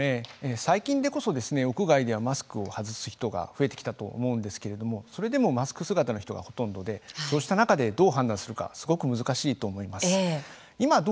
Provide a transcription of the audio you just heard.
最近でこそ屋外ではマスクを外す人が増えてきたと思うんですけれどもそれでもマスク姿の人がほとんどでそうした中で、どう判断するかすごく難しいと思います。